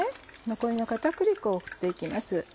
残りの片栗粉を振って行きます。